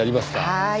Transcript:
はい。